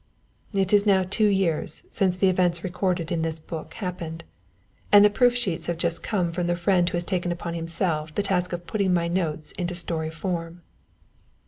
It is now two years since the events recorded in this book happened, and the proof sheets have just come from the friend who has taken upon himself the task of putting my notes into story form.